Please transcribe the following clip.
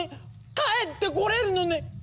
帰ってこれるのね